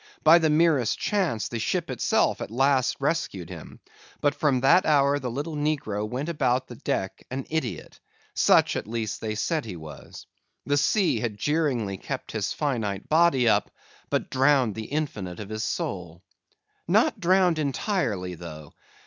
By the merest chance the ship itself at last rescued him; but from that hour the little negro went about the deck an idiot; such, at least, they said he was. The sea had jeeringly kept his finite body up, but drowned the infinite of his soul. Not drowned entirely, though.